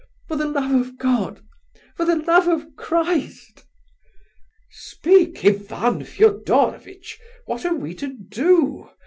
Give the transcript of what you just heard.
For the love of God, for the love of Christ!" "Speak, Ivan Fedorovitch! What are we to do?"